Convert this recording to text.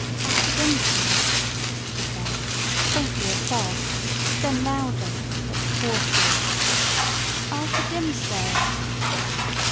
"Arthur Dimmesdale!" she said, faintly at first, then louder, but hoarsely—"Arthur Dimmesdale!"